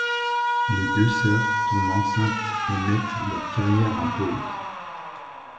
Les deux sœurs tombent enceintes et mettent leurs carrières en pause.